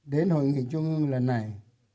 đến hội nghị trung ương lần này